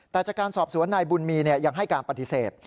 แต่จากการสอบสวนนายบุญมียังให้การปฏิเสธ